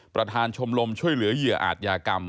ประธานชมรมช่วยเหลือเหยื่ออาจยากรรม